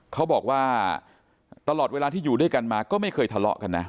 เขาบอกว่าตลอดเวลาที่อยู่ด้วยกันมาก็ไม่เคยทะเลาะกันนะ